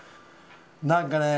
何かね